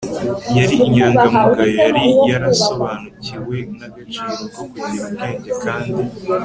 yari inyangamugayo, yari yarasobanukiwe n'agaciro ko kugira ubwenge kandi